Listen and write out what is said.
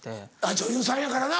女優さんやからな。